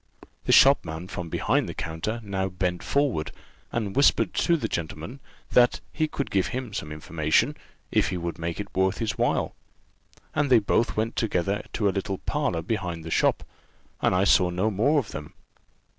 The shopman from behind the counter now bent forward, and whispered the gentleman that he could give him some information, if he would make it worth his while; and they both went together to a little parlour behind the shop, and I saw no more of them.